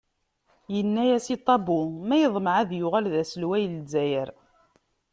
Yenna-yas i Ṭabu ma yeḍmeε ad yuɣal d aselway n Lezzayer?